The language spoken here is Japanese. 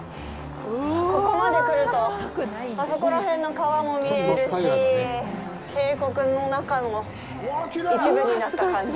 ここまで来るとあそこら辺の川も見えるし渓谷の中の一部になった感じ。